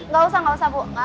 gak usah gak usah bu